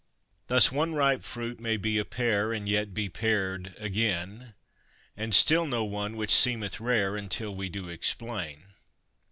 Thus, one ripe fruit may be a pear, and yet be pared again, And still no one, which seemeth rare until we do explain.